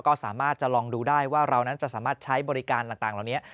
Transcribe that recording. ก็สามารถจะลองดูได้ว่าเรานั้นจะสามารถใช้บริการต่างเหล่านี้